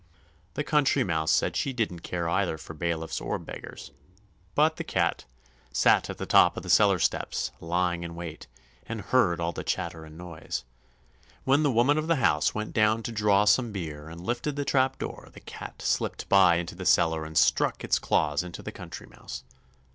The Country Mouse said she didn't care either for bailiffs or beggars. But the cat sat at the top of the cellar steps, lying in wait, and heard all the chatter and noise. When the woman of the house went down to draw some beer and lifted the trap door the cat slipped by into the cellar and struck its claws into the Country Mouse.